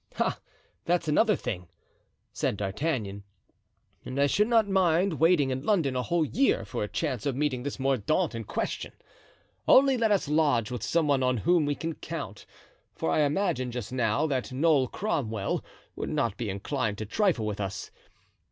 "Ah! that's another thing," said D'Artagnan, "and I should not mind waiting in London a whole year for a chance of meeting this Mordaunt in question. Only let us lodge with some one on whom we can count; for I imagine, just now, that Noll Cromwell would not be inclined to trifle with us.